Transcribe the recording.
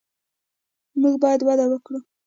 موږ باید وده ورکړو.